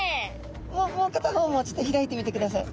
もう片方もちょっと開いてみてください。